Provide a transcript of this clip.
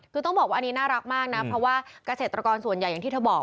คือต้องบอกว่าอันนี้น่ารักมากนะเพราะว่าเกษตรกรส่วนใหญ่อย่างที่เธอบอก